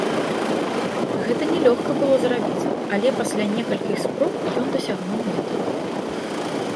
Гэта не лёгка было зрабіць, але пасля некалькіх спроб ён дасягнуў мэты.